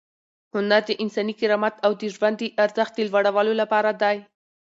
هنر د انساني کرامت او د ژوند د ارزښت د لوړولو لپاره دی.